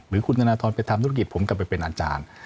หรือคุณธนทรไปทำธุรกิจผมกลับไปเป็นอาจารย์